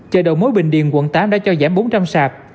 chợ đầu mối bình điền quận tám đã cho giảm bốn trăm linh sạp